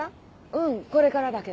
うんこれからだけど。